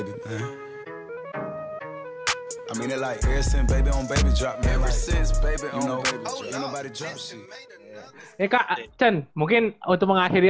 ya kak chen mungkin untuk mengakhiri